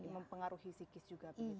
mempengaruhi psikis juga begitu